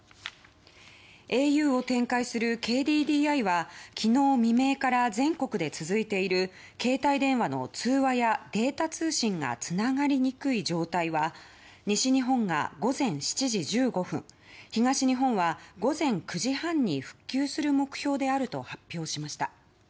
ａｕを展開するＫＤＤＩは昨日未明から全国で続いている携帯電話の通話やデータ通信がつながりにくい状態は西日本が午前７時１５分東日本は午前９時半に復旧する目標であると発表しました。